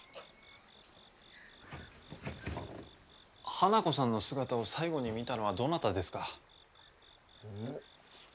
花子さんの姿を最後に見たのはどなたですか？